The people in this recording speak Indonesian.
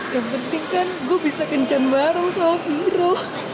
yang penting kan gue bisa kencan bareng sama firo